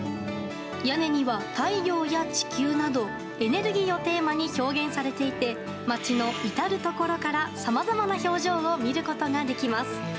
屋根には太陽や地球などエネルギーをテーマに表現されていて町の至るところからさまざまな表情を見ることができます。